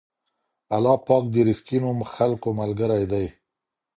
الله پاک د رښتينو خلکو ملګری دی.